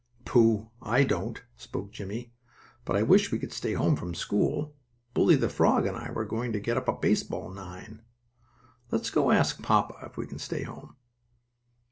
"Pooh! I don't," spoke Jimmie. "But I wish we could stay home from school. Bully, the frog, and I were going to get up a baseball nine. Let's go ask papa if we can stay home."